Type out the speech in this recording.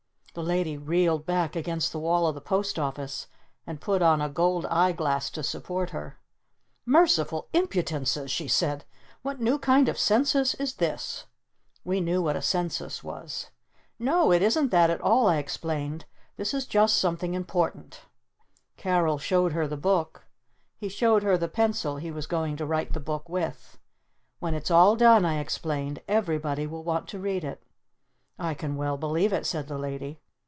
The lady reeled back against the wall of the Post Office. And put on a gold eyeglass to support her. "Merciful Impudences!" she said. "What new kind of census is this?" We knew what a "census" was. "No! It isn't that at all!" I explained. "This is something important." Carol showed her the book. He showed her the pencil he was going to write the book with. "When it's all done," I explained, "everybody will want to read it!" "I can well believe it," said the Lady.